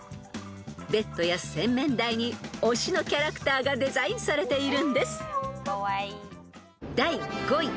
［ベッドや洗面台に推しのキャラクターがデザインされているんです］